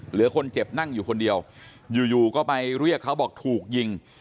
เหลือคนเจ็บนั่งอยู่คนเดียวอยู่อยู่ก็ไปเรียกเขาบอกถูกยิง